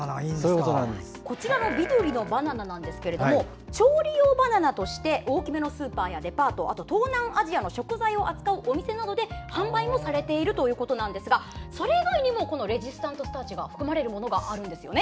緑のバナナは調理用バナナとして大きめのスーパーやデパート、東南アジアの食材を扱うお店などで販売されているということですがそれ以外にもレジスタントスターチが含まれるものがあるんですよね。